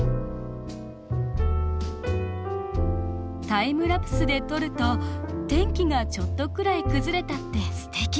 タイムラプスで撮ると天気がちょっとくらい崩れたってすてき！